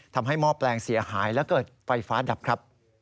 ทำให้มอบแปลงเสียหายและเกิดไฟฟ้าดับ